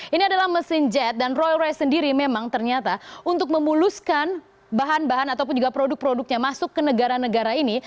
ini adalah mesin jet dan roy royce sendiri memang ternyata untuk memuluskan bahan bahan ataupun juga produk produknya masuk ke negara negara ini